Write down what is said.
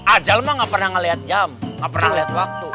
ajal mah enggak pernah ngelihat jam enggak pernah ngelihat waktu